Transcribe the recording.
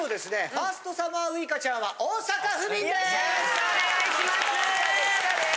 ファーストサマーウイカちゃんは大阪府民です。